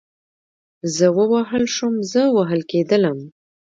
زه ووهل شوم, زه وهل کېدلم